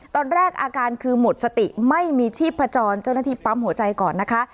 อาการคือหมดสติไม่มีชีพจรเจ้าหน้าที่ปั๊มหัวใจก่อนนะคะ